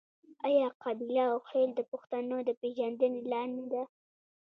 آیا قبیله او خیل د پښتنو د پیژندنې لار نه ده؟